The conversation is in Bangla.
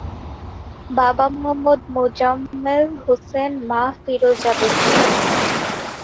বাবা মোহাম্মদ মোজাম্মেল হোসেন, মা ফিরোজা বেগম।